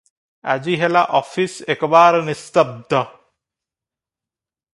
ଆଜି ହେଲା ଅଫିସ ଏକବାର ନିସ୍ତବ୍ଧ ।